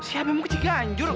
siapa mau ke ciganjur